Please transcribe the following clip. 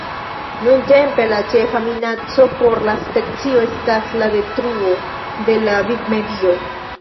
Nuntempe, la ĉefa minaco por la specio estas la detruo de la vivmedio.